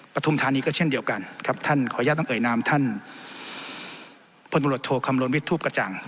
ปฐุมธานีก็เช่นเดียวกันครับท่านขออนุญาตต้องเอ่ยนามท่านพลตำรวจโทคำนวณวิทย์ทูปกระจ่าง